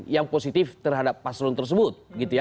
yang positif terhadap paslon tersebut